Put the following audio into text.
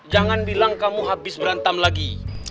jangan bilang kamu habis berantem lagi